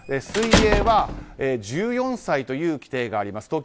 水泳は、１４歳という規定があります。